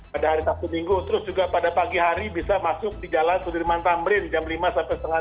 pada hari sabtu minggu terus juga pada pagi hari bisa masuk di jalan sudirman tamrin jam lima sampai setengah tiga